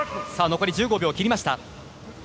残りは１５秒を切りました。